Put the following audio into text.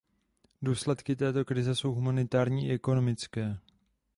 Důsledky této krize jsou humanitární i ekonomické.